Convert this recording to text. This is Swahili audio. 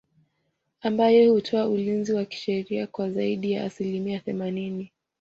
Ambayo hutoa ulinzi wa kisheria kwa zaidi ya asilimia themanini